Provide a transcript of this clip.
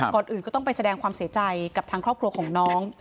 ก่อนอื่นก็ต้องไปแสดงความเสียใจกับทางครอบครัวของน้อง